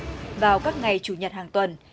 trong ngày chủ nhật hàng tuần